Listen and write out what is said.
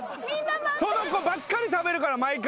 その子ばっかり食べるから毎回。